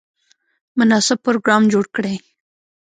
مناسب پروګرام جوړ کړي.